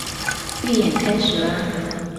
預演開始啦